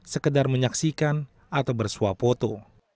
sekedar menyaksikan atau bersuapoto